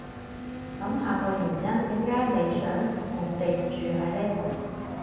諗下個原因點解你想我哋住喺呢度